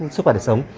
sức khỏe để sống